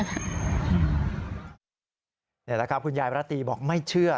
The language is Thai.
นี่แหละครับคุณยายพระตีบอกไม่เชื่อ